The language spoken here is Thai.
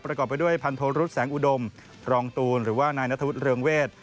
ประกอบไปด้วยพันธุรุษแสงอุดมรองตูนหรือว่านายนัทวุฒิเรืองเวท